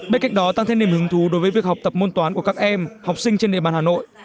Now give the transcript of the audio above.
bên cạnh đó tăng thêm niềm hứng thú đối với việc học tập môn toán của các em học sinh trên địa bàn hà nội